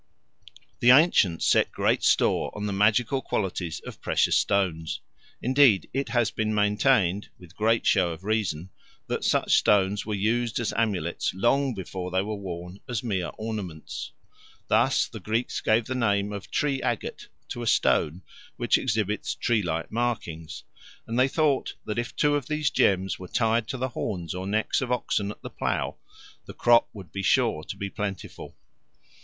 The ancients set great store on the magical qualities of precious stones; indeed it has been maintained, with great show of reason, that such stones were used as amulets long before they were worn as mere ornaments. Thus the Greeks gave the name of tree agate to a stone which exhibits tree like markings, and they thought that if two of these gems were tied to the horns or necks of oxen at the plough, the crop would be sure to be plentiful.